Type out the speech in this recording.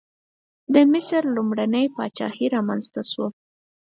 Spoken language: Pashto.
د مصر لومړنۍ پاچاهي رامنځته شوه.